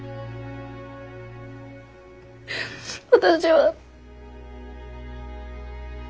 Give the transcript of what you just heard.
私は。